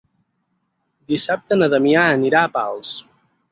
Dissabte na Damià anirà a Pals.